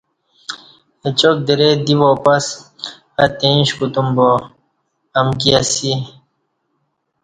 اچاک درئ دی واپس اتی ایݩش کوتوم با امکی اسی۔